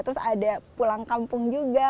terus ada pulang kampung juga